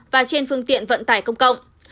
và trên phương tiện vận tải công cộng